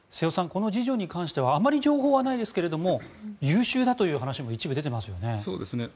この次女に関してはあまり情報はないですけども優秀だという話も一部出ていますよね。